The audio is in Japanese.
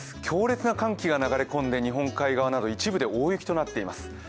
強烈な寒気が流れ込んで日本海側など一部で大雪となっています。